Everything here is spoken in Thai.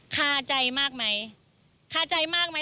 คาใจมากมั้ยคาใจมากมั้ย